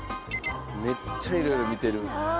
めっちゃいろいろ見てる。